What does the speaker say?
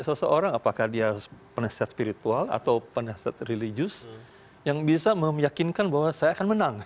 seseorang apakah dia penasihat spiritual atau penasihat religius yang bisa meyakinkan bahwa saya akan menang